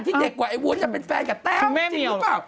ที่เด็กกว่าไอ้วุ้นยังเป็นแฟนกับแต้วจริงปะ